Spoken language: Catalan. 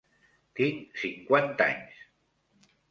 Tinc cinquanta anys.